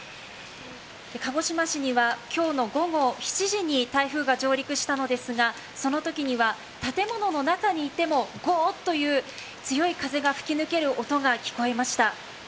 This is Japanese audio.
鹿児島市には今日の午後７時に台風が上陸したのですがそのときには建物の中にいてもゴーという強い風が吹き抜ける音が聞こえました。